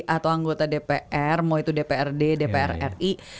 atau anggota dpr mau itu dprd dpr ri